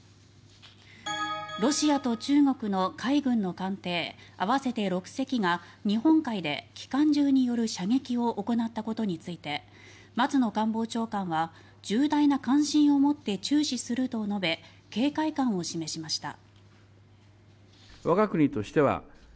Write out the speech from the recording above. ロシアと中国の海軍の艦艇合わせて６隻が日本海で機関銃による射撃を行ったことについて松野官房長官は「重大な関心を持って注視する」と述べ警戒感を示しました。